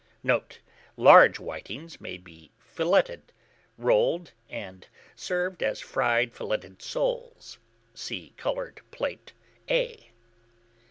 Note. Large whitings may be filleted, rolled, and served as fried filleted soles (see Coloured Plato A).